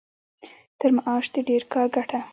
تر معاش د ډېر کار ګټه.